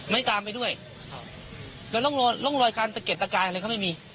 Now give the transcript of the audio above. ไม่ตามไปด้วยแล้วลงรอยการตะเกียจตะกายอะไรก็ไม่มี